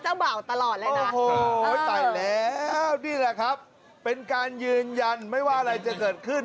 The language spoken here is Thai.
นั่นพี่น้ำแข็งยังเหมือนกัน